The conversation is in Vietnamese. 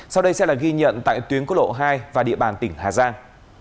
sau đây sẽ là ghi nhận tại tuyến quốc lộ hai và địa bàn tỉnh hà giang